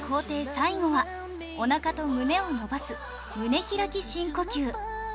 最後はおなかと胸を伸ばす胸開き深呼吸